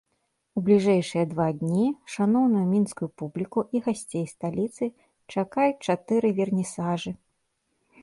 У бліжэйшыя два дні шаноўную мінскую публіку і гасцей сталіцы чакаюць чатыры вернісажы.